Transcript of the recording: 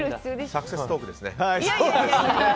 サクセストークですね。